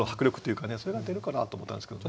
それが出るかなと思ったんですけどね。